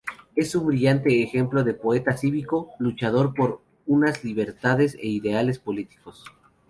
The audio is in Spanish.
Es un brillante ejemplo de poeta cívico, luchador por unas libertades e ideales políticos.